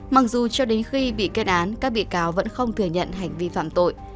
mặc dù cho đến khi bị kết án các bị cáo vẫn không thừa nhận hành vi phạm tội